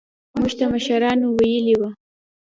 موږ ته مشرانو ويلي وو.